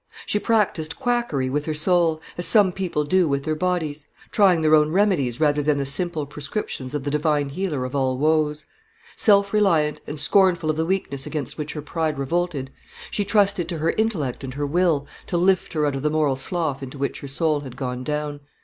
She practised quackery with her soul, as some people do with their bodies; trying their own remedies, rather than the simple prescriptions of the Divine Healer of all woes. Self reliant, and scornful of the weakness against which her pride revolted, she trusted to her intellect and her will to lift her out of the moral slough into which her soul had gone down.